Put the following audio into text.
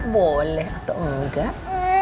boleh atau nggak